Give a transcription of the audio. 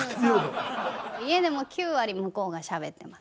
家でも９割向こうがしゃべってます。